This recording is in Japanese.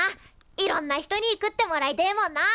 いろんな人に食ってもらいてえもんな。